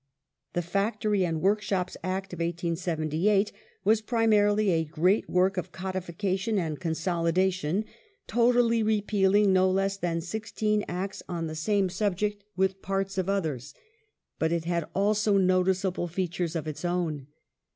The Factory and Workshops Act of 1878 was primarily a great work of codification and consolidation, totally repealing no less than sixteen Acts on the same subject, with parts of othei*s. But it had also noticeable features of its own.